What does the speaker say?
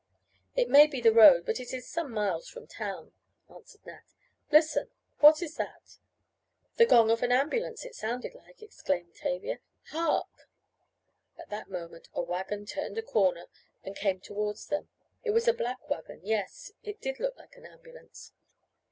"It may be the road but it is some miles from town," answered Nat. "Listen! What was that?" "The gong of an ambulance, it sounded like," exclaimed Tavia. "Hark!" At that moment a wagon turned a corner and came towards them. It was a black wagon yes, it did look like an ambulance.